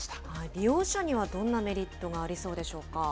利用者にはどんなメリットがありそうでしょうか。